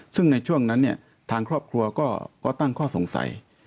ซึ่งในช่วงนั้นเนี่ยทางครอบครัวก็ตั้งข้อสงสัย